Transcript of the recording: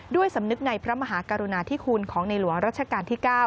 สำนึกในพระมหากรุณาธิคุณของในหลวงรัชกาลที่๙